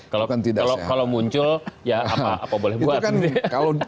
kalau muncul ya apa boleh buat